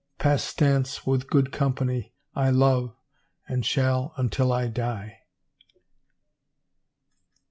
Pastance with good company, I love, and shall until I die.